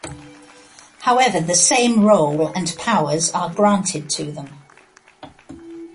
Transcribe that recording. However, the same role and powers are granted to them.